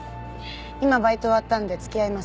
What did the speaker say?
今バイト終わったんで付き合います。